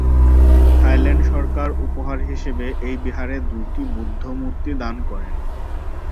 Thailand সরকার উপহার হিসেবে এই বিহারে দুইটি বুদ্ধ মূর্তি দান করেন।